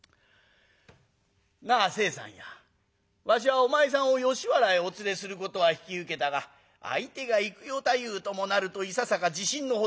なあ清さんやわしはお前さんを吉原へお連れすることは引き受けたが相手が幾代太夫ともなるといささか自信のほどが揺らいできた。